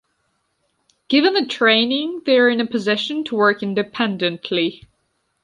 Given their training, they are in a position to work independently.